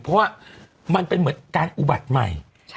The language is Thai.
เพราะว่ามันเป็นเหมือนการอุบัติใหม่